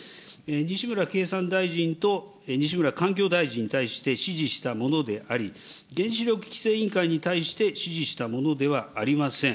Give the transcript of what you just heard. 西村経産大臣と西村環境大臣に対して指示したものであり、原子力規制委員会に対して指示したものではありません。